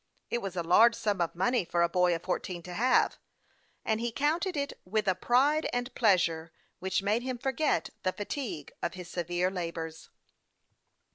It was a large sum of money for a boy of fourteen to have, and he counted it with a pride and pleasure which made him forget the fatigue of his severe labors.